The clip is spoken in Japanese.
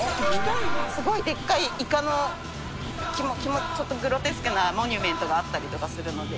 すごいでっかいイカのちょっとグロテスクなモニュメントがあったりとかするので。